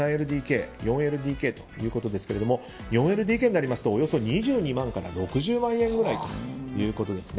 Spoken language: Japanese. ２ＬＤＫ、３ＬＤＫ４ＬＤＫということですが４ＬＤＫになりますとおよそ２２万から６０万円くらいということです。